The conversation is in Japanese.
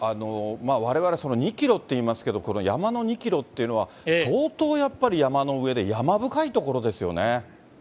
われわれ、２キロといいますけれども、この山の２キロっていうのは、相当やっぱり、山の上で山深い所ですよね。